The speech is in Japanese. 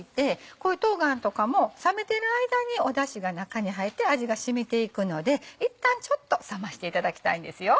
こういう冬瓜とかも冷めてる間にだしが中に入って味が染みていくのでいったんちょっと冷ましていただきたいんですよ。